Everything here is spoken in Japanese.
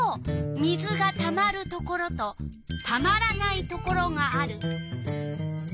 水がたまるところとたまらないところがある。